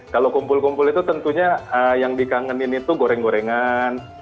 kalau kumpul kumpul itu tentunya yang dikangenin itu goreng gorengan